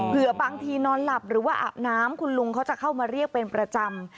บางทีนอนหลับหรือว่าอาบน้ำคุณลุงเขาจะเข้ามาเรียกเป็นประจำ